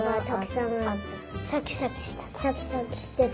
シャキシャキしてた。